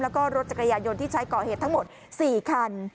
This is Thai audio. แล้วก็รถจักรยานยนต์ที่ใช้ก่อเหตุทั้งหมด๔คัน